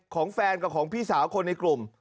ของแฟนกับของพี่สาวคนในกลุ่ม